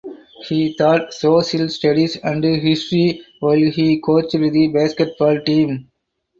He taught social studies and history while he coached the basketball team.